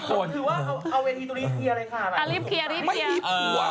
ขอคือว่าควะเอาเวทีตลิเทียเลยค่ะ